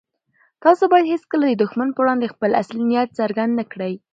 تاسو بايد هيڅکله د دښمن په وړاندې خپل اصلي نيت څرګند نه کړئ.